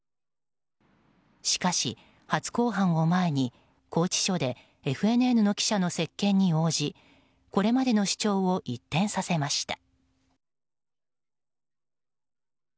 しかし、初公判を前に拘置所でＦＮＮの記者の接見に応じこれまでの主張を一転させました。